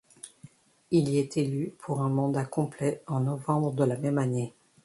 Il y est élu pour un mandat complet en novembre de la même année.